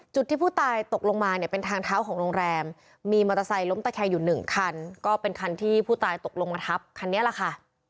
จุดที่ผู้ตายตกลงมาเนี่ยเป็นทางเท้าของโรงแรมมีมอเตอร์ไซค์ล้มตะแคงอยู่หนึ่งคันก็เป็นคันที่ผู้ตายตกลงมาทับคันนี้แหละค่ะ